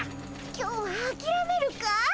今日はあきらめるかい？